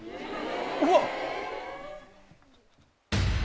うわっ！